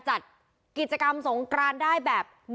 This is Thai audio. เพราะว่าตอนนี้จริงสมุทรสาของเนี่ยลดระดับลงมาแล้วกลายเป็นพื้นที่สีส้ม